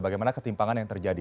bagaimana ketimpangan yang terjadi